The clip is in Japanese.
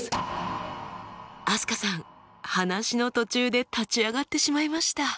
飛鳥さん話の途中で立ち上がってしまいました。